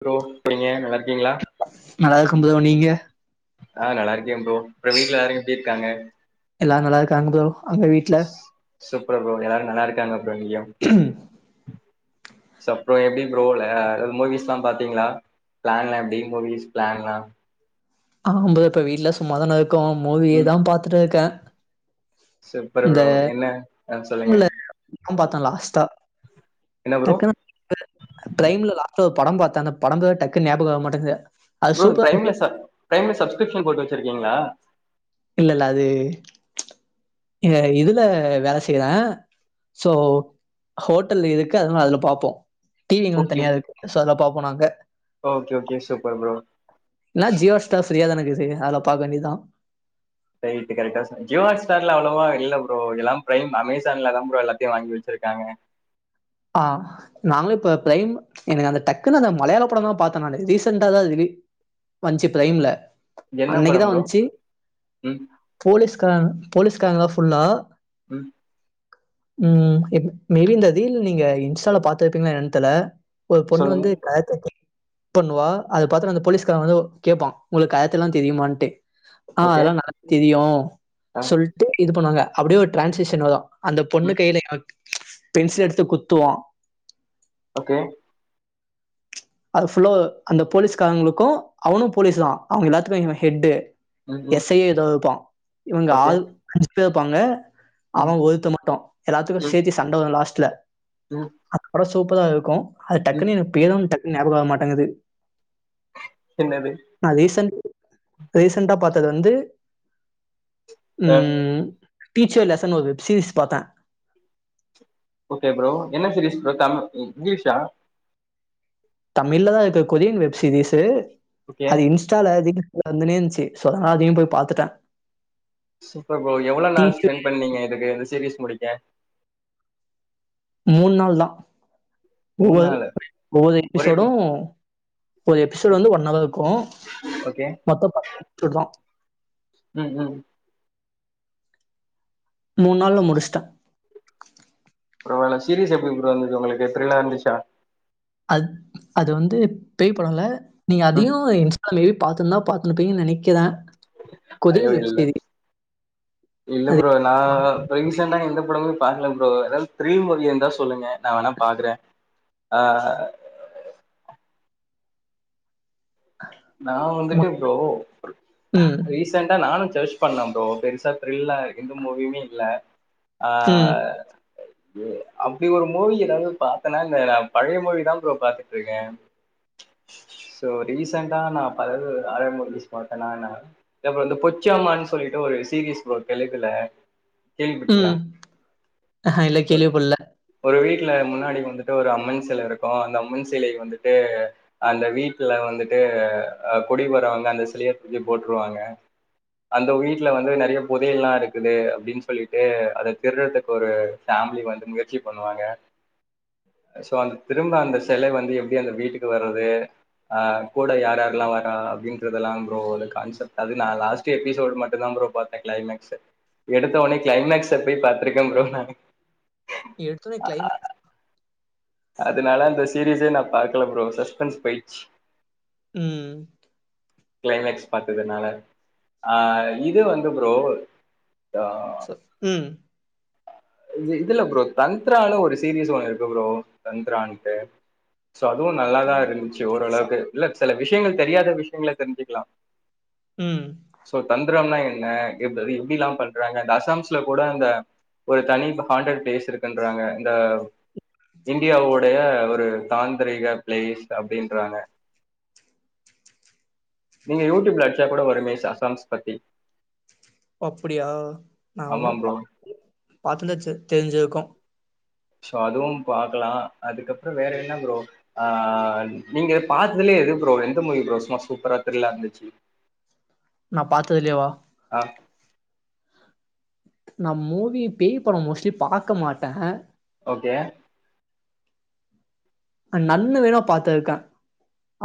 Bro [unintelligible] நல்லா இருக்கீங்ளா நல்லா இருக்கும் ப்ரோ நீங்க ஆ நல்லா இருக்கே ப்ரோ அப்றோ வீட்ல எல்லாரு எப்டி இருக்காங்க எல்லாரும் நல்லா இருக்காங்க ப்ரோ அங்க வீட்ல சூப்பர் ப்ரோ எல்லாரு நல்லா இருக்காங்க ப்ரோ இங்கயு சோ அப்றோ எப்டி ப்ரோ அதாவது மூவிஸ் எல்லா பாத்தீங்களா பிளான்லா எப்டி மூவிஸ் பிளான்லா ஆ ப்ரோ இப்ப வீட்ல சும்மாதானே இருக்கோ ம் மூவியேதா பாத்துட்டு இருக்கே சூப்பர் இந்த ப்ரோ என்ன ஆ சொல்லுங்க [unintelligible] பாத்தே லாஸ்டா என்ன ப்ரோ [unintelligible] ப்ரைம்ல லாஸ்ட்ல ஒரு படம் பாத்தா அந்த படம் பேரு டக்குனு ஞாபகம் வர மாட்டேங்கது ப்ரோ பிரைம்ல சப் பிரைம்ல சப்ஸ்கிரிப்ஷன் போட்டு வெச்சிருக்கீங்ளா இல்லல்ல அது இதுல வேல செய்யிற சோ ஹோட்டல்ல இருக்கு அதனால அதுல பாப்போ டிவி எங்களுக்குனு ஓகே தனியா இருக்கு சோ அதுல்ல பாப்போ நாங்க ஓகே ஓகே சூப்பர் ப்ரோ இல்லனா ஜியோ ஸ்டார் ஃபிரியாதான இக்குது செரி அதுல பாக்க வேண்டியதா கரெட்டு கரெட்டா சொன் ஜியோ ஸ்டார்ல அவ்ளவா இல்ல ப்ரோ எல்லா பிரைம் அமேசான்ல தா ப்ரோ எல்லாத்தையு வாங்கி வெச்சிருக்காங்க ஆ நாங்களு இப்ப பிரைம் எனக்கு அந்த டக்குன்னு அந்த மலையாள படம் தா பாத்தே நானு ரீசன்டா தா வந்துச்சு பிரைம்ல என்ன அன்னிக்குதா படம் ப்ரோ வந்துச்சு ம் போலீஸ்கார போலீஸ்காரங்கதா ஃபுல்லா ம் ம் மேபி இந்த ரீல் நீங்க இன்ஸ்டால பாத்துருப்பீங்ளா என்னனு தெரில ஒரு பொண்ணு சொல்லுங்க வந்து கராத்தே பண்ணுவா அத பாத்துட்டு அந்த போலீஸ்காரன் வந்து கேப்பா உங்களுக்கு கரத்தே எல்லா தெறியுமான்ட்டு ஆ ஓகே அதெல்லா நல்ல தெரியு ஆ சொல்ட்டு இது பண்ணுவாங்க அப்டியே ஒரு ட்ரான்சேஷன் வரு அந்த பொண்ணு ம் கையில பென்சில் எடுத்து குத்துவா ஓகே அது ஃபுல்லா அந்த போலீஸ்காரங்களுக்கு அவனு போலீஸ் தா அவங்க எல்லாத்துக்கு இவ ஹெட்டு ம் ம் எஸ் ஐ யா ஏதோ இருப்பா இவங்க ஓகே ஆறு அஞ்சு பேர் இருப்பாங்க ம் அவ ஒருத்த மட்டு எல்லாத்துக்கு ம் சேத்தி சண்ட வரு லாஸ்ட்ல ம் அந்த படோ சூப்பரா இருக்கு அது ம் டக்குன்னு எனக்கு பேரு டக்குன்னு ஞாபகம் வர மாட்டேங்குது என்னது நா ரீசென்ட் ரீசென்டா பாத்தது வந்து ஆ ம் டீச்சர் லெசன்னு ஒரு வெப்சீரிஸ் பாத்த ஓகே ப்ரோ என்ன சீரீஸ் ப்ரோ தமி இங்லீஷா தமிழ்லதா இருக்கு கொரியன் வெப் சீரீஸ் ஓகே அது இன்ஸ் இன்ஸ்டால ரீல்ஸு வந்துனே இருந்ச்சு சோ அதனால அதையு போய் பாத்துட்ட சூப்பர் ப்ரோ எவ்ளோ நாள் டீச்சர் ஸ்பெண்ட் பண்ணீங்க இதுக்கு இந்த சீரீஸ் முடிக்க மூண் நாள்தா மூணு ஒவ்வொரு நாளு ஒவ்வொரு ஒரே எபிசோடு ஒரு எபிசோடு வந்து ஒன் ஹவர் இருக்கு ஓகே அதுதா ம் ம் மூண் நாள்ல முடிச்ட்ட ப்ரோ அந்த சீரீஸ் எப்டி ப்ரோ இருந்தது உங்களுக்கு திர்லா இருந்துச்சா அது வந்து பேய் படோ இல்ல நீங்க ம் அதையு இன்ஸ்டாலயே பாக்கணுமா பாக் அனுபிங் நினைக்குறே ஐயோ இல்ல இல்ல அது. ப்ரோ நா இப்ப ரீசெண்டா எந்த படமு பாக்கல ப்ரோ எதாது ஃப்ரீ மூவி இருந்தா சொல்லுங்க நா வேணா பாக்குறே ஆ நா வந்துட்டு ம். ப்ரோ ரீ ம். ரீசெண்டா நானு செர்ச் பண்ண ப்ரோ பெருசா த்ரில்லா எந்த மூவியுமே இல்ல ஆ ம். அப்டி ஒரு மூவி எதாது பாத்தனா இல்ல நா பழைய மூவிதா ப்ரோ பாத்துட்டு இருக்கே சோ ரீசெண்டா நா பழது அழ மூவிஸ் பாத்தனா ஏ ப்ரோ இந்த பொச்சியம்மான் சொல்லிட்டு ஒரு சீரிஸ் ப்ரோ தெலுங்குல கேள்விப்பட்டீங்களா ம். ஆஹா இல்ல கேள்விப்படல. ஒரு வீட்ல முன்னாடி வந்துட்டு ஒரு அம்மன் சில இருக்கு அந்த அம்மன் சிலைய வந்துட்டு அந்த வீட்ல வந்துட்டு அ குடி போறவங்க அந்த சிலைய தூக்கி போட்ருவாங்க அந்த வீட்ல வந்து நறைய போதையல்லா இருக்குது அப்டின் சொல்லிட்டு அத திருடுறதுக்கு ஒரு ஃபேமிலி வந்து முயற்சி பண்ணுவாங்க சோ அந்த திரும்ப அந்த செல வந்து எப்டி அந்த வீட்டுக்கு வருது ஆ கூட யார் யாரெல்லா வரா அப்டின்றதெல்லா ப்ரோ கான்செப்ட் அது நா லாஸ்ட் எபிசோட் மட்டுதா ப்ரோ பாத் கிளைமேக்ஸு எடுத்த உட்னே கிளைமேக்ஸ போய் பாத்துருக்கே ப்ரோ நானு எடுத்தோனே க்ளைமேக் அதுனால அந்த சீரிஸே நா பாக்கல ப்ரோ சஸ்பென்ஸ் போய்ச்சு ம் க்ளைமேக்ஸ் பாத்ததுனால ஆ இது வந்து ப்ரோ ஆ ம் இதுல ப்ரோ தந்தரான்னு ஒரு சீரிஸ் ஒன்னு இருக்கு ப்ரோ தந்தரான்ட்டு சோ அதுவு நல்லாதா இருந்ச்சு தஞ்சாவூர் தெரிசா? ஓரளவுக்கு இல்ல சில விஷயங்கள் தெரியாத விஷயங்கள தெரிஞ்சுக்கலா ம் சோ தந்தரம்னா என்ன எப்டிலா பண்றாங்க இந்த அசாம்ஸ்ல கூட அந்த ஒரு தனி ஹாண்டர்ட் பிளேஸ் இருக்குன்றாங்க இந்த இந்தியாவுடைய ஒரு தாந்திரிக பிளேஸ் அப்டின்றாங்க நீங்க யூடியூப்ல அடிச்சா கூட வருமே ச சாம்ஸ் பத்தி அப்டியா நா ஆமா ஒன்னு ப்ரோ பாத்து பாத்துருந்தா தெரிஞ்சுருக்கு சோ அதுவு பாக்கலா அதுக்கப்றோ வேற என்ன ப்ரோ ஆ நீங்க எ பாத்ததுலேயே இது ப்ரோ எந்த மூவி ப்ரோ சும்மா சூப்பரா த்ரில்லா இருந்துச்சு நா பாத்தது இலையேவா ஆ நா மூவி பேய் படம் மோஸ்ட்லி பாக்க மாட்டேன் ஓகே நன்னு வேணாபாத்து இருக்கேன்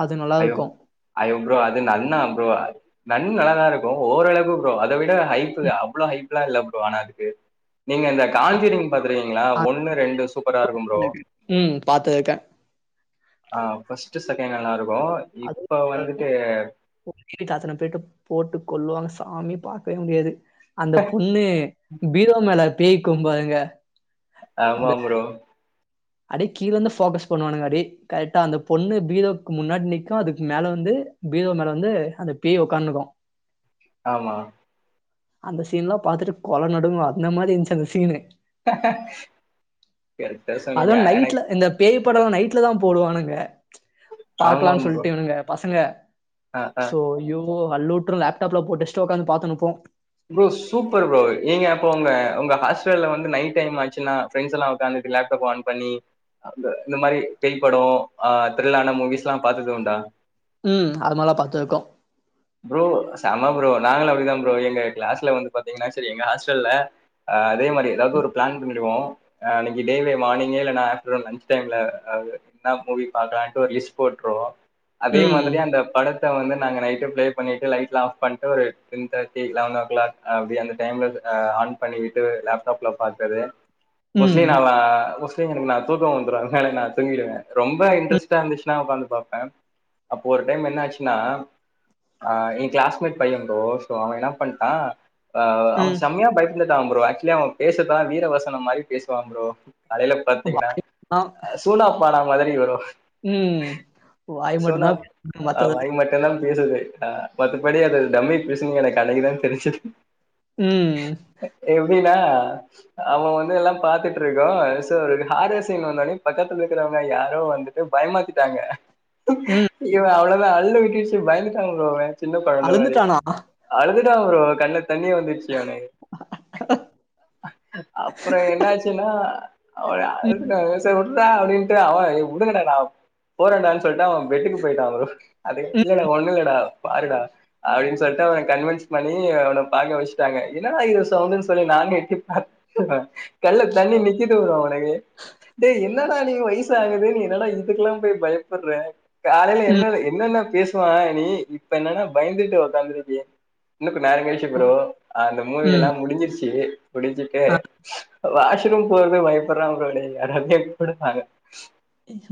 அது நல்லா இருக்கும் அய்யோ ப்ரோ அது நன்னா ப்ரோ நன் நல்லாதான் இருக்கும் ஓரளவுக்கு ப்ரோ அதை விட ஹைப் ம். அவ்வளோ ஹைப் எல்லாம் இல்ல ப்ரோ ஆனா அதுக்கு நீங்க இந்த அ காஞ்சூரிங் பாத்துருக்கீங்களா அ ஒண்ணு ரெண்டு சூப்பரா இருக்கும் ப்ரோ ம் பாத்து இருக்கேன் ஆ ஃபஸ்ட்டு செகண்ட் நல்லா இருக்கும் அதுவும் இப்போ அந்த வந்துட்டு [unintelligible] அத்தன போயட்டு போட்டு கொல்லுவாங்க சாமி பாக்கவே முடியாது அந்த பொண்ணு பீரோ மேல பேயி கும் பாருங்க அந்த ஆமாம் ப்ரோ அப்டியே கீழ இருந்து ஃபோக்கஸ் பண்ணுவானுங்க அப்டி கரெக்டா அந்த பொண்ணு பீரோக்கு முன்னாடி நிக்கும் அதுக்கு மேல வந்து பீரோ மேல வந்து அந்த பேய் உட்காந்துக்கும் ஆமா அந்த சீன்லாம் பாத்துட்டு கொல நடுங்கும் அந்த மாரி இந்துச்சு அந்த சீனு கெரக்டா சொன்னீங்க அன்னைக் பேய்படலாம் நைட்டில் தான் போடுவானுங்க பாக்கலாம்னு ஆமாம் ப்ரோ சொல்லிட்டுஇவனுங்க பசங்க ஆ ஆ சோ யோ போ அல்லுவிட்டுறும் லப்டாப்ல போட்டு வச்சுட்டு உக்காந்து பாத்துனுப்போம் ப்ரோ சூப்பர் ப்ரோ நீங்க அப்போ உங்க உங்க ஹஸ் வந்து நைட் டைம் ஆச்சுன்னா பிரண்ட்ஸ் எல்லாம் உக்காந்துட்டு லேப்டாப் ஆன் பண்ணி அ இந்த மாரி பேய் படம் ஆஹ் த்ரில்லான மூவிஸ்லாம் பாத்தது உண்டா ம் அதுமல்லாம் பாத்துருக்கோம் ப்ரோ செம ப்ரோ நாங்களும் அப்படிதான் ப்ரோ எங்க கிளாஸ்ல வந்து பாத்தீங்கன்னா சரி எங்க ஹாஸ்டல்ல ஆ அதே மாரி ஏதாவது ஒரு பிளான் பண்ணிடுவோம் அன்னைக்கு டெல மார்னிங்கே இல்லனா ஆப்டர்நூன் லன்ச் டைம்ல என்ன மூவி பாக்கலாம் ஒரு லிஸ்ட் போட்டுருவோம் அதே ம் மாதிரிஅந்த படத்த வந்து நாங்க நைட்டு பிளே பண்ணிட்டு லைட்ல ஆப் பண்ணிட்டு ஒரு ten thirty eleven o'clock அப்படி அந்த டைம்ல அ ஆன் பண்ணிக்கிட்டு லேப்டாப்ல பார்த்தது மோஸ்ட்லி ம் நால ஸ் [unintelligible] தூங்கிறுவேனா தூங்கிருவேன் அதனால நா தூக்கம் வந்துரும் அதனால நான் தூங்கிடுவேன் ரொம்ப ம் இன்ட்ரஸ்டா இருந்துச்சு ந உக்காந்து பாப்பேன் அப்போ ஒரு டைம் என்ன ஆச்சுன்னா ஆ என் கிளாஸ்மேட் பைய ப்ரோ சோ அவன் என்ன பண்ணிட்டான் ஆ அவன் ம் செம்மையா பய ந்துட்டா ப்ரோ ஆக்சுவல அவன் பேசதான் வீர வசனம் மாதிரி பேசுவான் ப்ரோ காலையல பாத்தீங்கன்னா வாய் ஆ சூனா பானா மாதிரி வருவா ம் ஓ வாய் மட்டும்தா [unintelligible] மத்த ல்ல பேசுது ஆ மத்தபடி அது டம்மி பீசு எனக்கு அன்னைக்குதான் தெரிஞ்சுது ம் எ எப்டினா அவன் வந்து எல்லாம் பாத்துட்டு இருக்கோ சோ ஒரு ஹாரர் சீன் வந்தனே பக்கத்துல இருக்கிறவங்க யாரோ வந்து பயமாத்திட்டாங்க ம் இவன் அவ்வளவுதான் அள்ளு விட்டு விச்ச பயந்துட்டாங்க ப்ரோ அவ சின்ன கொழந்த மாரி அழுந்துட்டானா அழுதுட்டா ப்ரோ கண்ண தண்ணிய வந்துருச்சு அவனுகு அப்புற என்ன ஆச்சுனா அவ ம் சே விட்றா அப்டின்ட்டு அவ வுடுங்கடா நா போறேன்டான்னு சொல்லிட்டு அவன் பெட்டுக்கு போயிட்டா ப்ரோ அது இல்ல இல்ல ஒண்ணு இல்லடா பாருடா அப்டின்னு சொல்லிட்டு அவன கன்வின்ஸ் பண்ணி அவன பாக்க வச்சுட்டாங்க என்னடா இது சவுண்டுன் சொல்லி நாங்க எட்டி பா கண்ணுல தண்ணி நிக்குது ப்ரோ டே என்னடா நீ வயசு ஆகுது நீ என்னடா இதுக்கெல்லா போய் பயப்படுற காலைல என்ன ம் என்னென்ன பேசுவா நீ இப்ப என்னன்னா பயந்துட்டு ஓக்காதாந்துருக்கியே [unintelligible] ச்சு ப்ரோ அந்த மூவி ம் எல்லா முடிஞ்சிருச்சு முடிஞ்சுட்டு ஆ வாஷ்ரூம் போறது பயப்படுறா ப்ரோ [inaudible]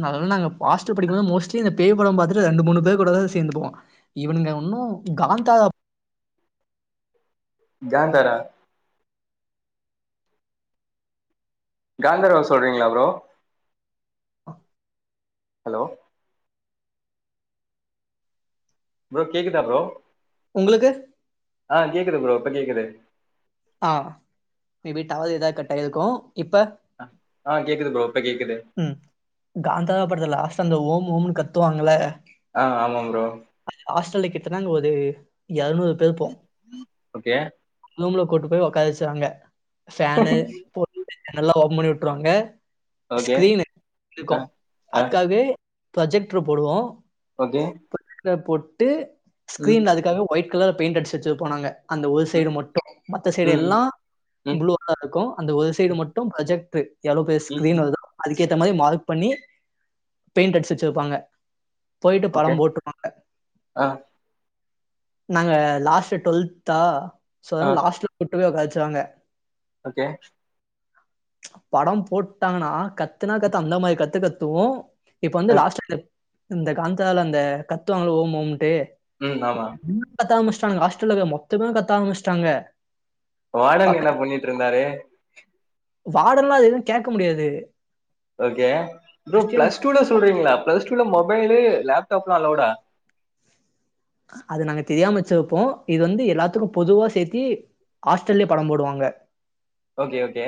அதலா நாங்க பாஸ்டு படிக்கும்போது மோஸ்டலி இந்த பேய் படம் பாத்துட்டு ரெண்டு மூணு பேர் கூட தா சேந்துக்குவோ இவனுங்க ஒன்னு காந்தாரா ஜாந்தாறா காந்தர்வா சொல்றீங்களா ப்ரோ ஹலோ ப்ரோ கேக்குதா ப்ரோ உங்களுக்கு ஆ கேக்குது ப்ரோ இப்ப கேக்குது ஆ மேபி டவ ஏதாது கட் ஆயிருக்கு இப்ப ஆ கேக்குது ப்ரோ இப்ப கேக்குது ம் காந்தா படதுல லாஸ்ட்டா அந்த ஓம் ஓம்னு கத்துவாங்கள்ல ஆ ஆமாம் ப்ரோ அ ஹாஸ்டல் கிட்டனாங்க ஒரு இருநூறு பேரு போ ஓகே ரூம்ல கூட்டு போ ஒக்கார வச்சுவாங்க ஃபேன்னு ஜனல் லாம் ஓபன் பண்ணி விட்ருவாங்க ஓகே ஸ்கிரீனு இருக்கு ஆ ஆ அதுக்காகவே ப்ரொஜெக்டர் போடுவோ ஓகே போ போட்டு ம் ஸ்க்ரீன்ல அதுக்காகவே ஒயிட் கலர் பெயிண்ட் அடிச்சு வச்சுருப்போ நாங்க அந்த ஒரு ம் சைடு மட்டு மத்த சைடு ம் எல்லா ம் ம் ப்ளூதா இருக்கு அந்த ஒரு சைடு மட்டு ப்ரொஜெக்ட்ரு எளோ பெரிய ம் ஸ்கீரின் ம் வருதோ அதுக்கேத்த மாரி மார்க் பண்ணி பெயிண்ட் அடிச்சு வெச்சிருப்பாங்க போயிட்டு ஓகே படம் போட்டு பாங்க ஆ நாங்க லாஸ்ட் டுவல்தா சோ ஆ அதனால லாஸ்ட்ல கூட்டு போய் உட்கார வச்சுருவாங்க ஓகே படம் போட்டாங்கன்னா கத்துனா கத்து அந்த மாரி கத்து கத்துவோ இப்ப வந்து ஆ லாஸ்ட்ல இந்த காந்தால அந்த கத்து வாங்கள ஓம் ஓம்ட்டு ம் ஆமா கத்த ஆரமிச்சிட்டாங்க ஹாஸ்டல்ல இருக்குற மொத்த பேரு கத்த ஆரமிச்சிட்டாங்க வாடன் என்ன பண்ணிட்டு இருந்தாரு வாடன்ல்லா அது எது கேட்க முடியாது ஓகே ப்ரோ கொஸ்டின் பிளஸ் டூல சொல்றீங்களா பிளஸ் டூல மொபைலு லேப்டாப்லா அலோடா அது நாங்க தெரியாம வச்சுருப்போ இது வந்து எல்லாத்துக்கு பொதுவா சேத்தி ஹாஸ்டல்லயே படம் போடுவாங்க ஓகே ஓகே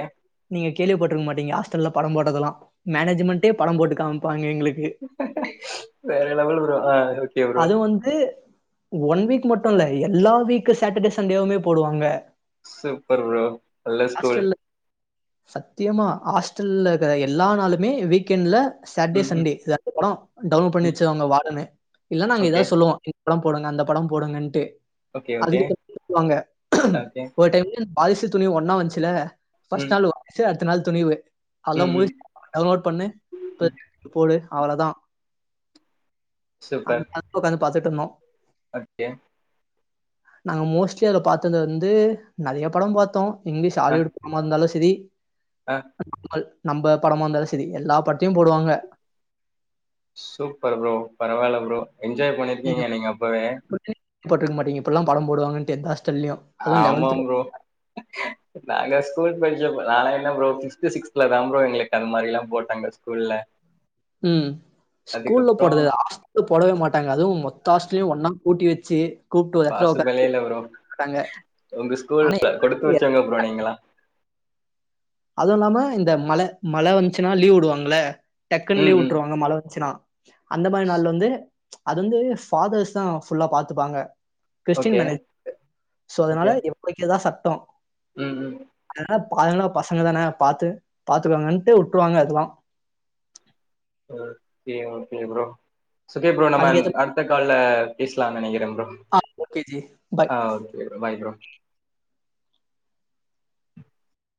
நீங்க கேள்விப்பட்டுருக்க மாட்டீங்க ஹாஸ்டல்ல பட போட்டதல்லா மேனேஜ்மெண்டே படம் போட்டு காமிப்பாங்க எங்களுக்கு வேற லெவல் ப்ரோ ஆ ஓகே ப்ரோ அது வந்து ஒன் வீக் மட்டு இல்ல எல்லா வீக் சேட்டர்டே சண்டேவுமே போடுவாங்க சூப்பர் ப்ரோ நல்ல ஸ்கூல் ஹாஸ்டல்ல சத்தியமா ஹாஸ்டல்ல இருக்கற எல்லா நாளுமே வீக்கெண்ட்ல சாட்டே ம், ம், சண்டே எதாவது படோ டவுன்லோட் பண்ணி ம். வச்சிருவாங்க வாடனே இல்ல நாங்க ஓகே, ஏதாது சொல்லுவோ படம் போடுங்க அந்த படம் போடுங்கன்ட்டு ஓகே, ஓகே, [unintelligible] ஓகே. ஒரு டைமு வாரிசு துணிவு ஒன்னா வன்ச்சில்ல பர்ஸ்ட் ம், நாள் வாரிசு அடுத்த நாள் துணிவு அவ்வள்தா ம், ம், முடிஞ்சு டவுன்லோட் பண்ணு ப ம். போடு அவளதா அந்த [unintelligible] உக்காந்து பாத்துட்ருந்தோ ஓக்கே நாங்க மோஸ்ட்லி அதில பார்த்தது வந்து நெறைய படம் பாத்தோ இங்கிலீஷ் அ, ஹோலிவுட் படமா இருந்தாலு சரி அ [unintelligible] நம்ப படமாந்தாலு சரி எல்லா பட்டத்தியு போடுவாங்க சூப்பர் ப்ரோ பரவால்ல ப்ரோ என்ஜாய் பண்ணிருக்கீங்க நீங்க அப்பவே போட்றுக்க மாட்டிங்க இப்பல்லா படம் போடுவங்கன்ட்டு எந்த ஹாஸ்டல்லியு ஆமாம் ப்ரோ நாங்க ஸ்கூல் படிச்ச நாலா என்ன ப்ரோ பிப்த்து சிக்ஸ்த்லதாம் ப்ரோ எங்குளுக்க அந்த மாரிலாம் போட்டாங்க ஸ்கூல்ல உம் ஸ்கூல்ல அதுக்கப்புறம் போடது ஹாஸ் [unintelligible] போடவே மாட்டாங்க அதுவு மொத்த ஆஸ்ட்லயு ஒன்னா கூட்டி வச்சி கூப்ட்டு ஒரு எடத்துல உக்கார பாசிபிளே இல்ல ப்ரோ. வெச்சிருபாங்க உங்க ஆனா ஸ்கூல்ல எங் கொடுத்து வச்சவங்க ப்ரோ [unintelligible] நீங்கலாம். அதுவு இல்லாம இந்த மழ மழ வந்துச்சுனா லீவ் உடுவாங்கல டக்குன் ம், லீவ் ம். உட்ருவாங்க மழ வந்துச்சுனா அந்த மாரி நாள்ல வந்து அது வந்து ஃபாதர்ஸ்தா ஃபுல்லா பாத்துப்பாங்க Christian okay, manage manned so அதனால ஓகே. இவங்க வெக்குரதுதா சட்டோ ம், ம். அதனால அதனால பசங்க தான பாத்து பாத்துக்கோங்கன்ட்டு உட்ருவாங்க அதுவு ஓக்கே ஓக்கே ப்ரோ [unintelligible] நம்ம நா அதுக்கேத்த அடுத்த கால்ல பேசலானு நெனைக்கிறம் ப்ரோ ஆ ஓக்கே ஜி பாய் ஆ ஓகே பாய் ப்ரோ